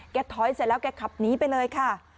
ถอยเสร็จแล้วแกขับหนีไปเลยค่ะ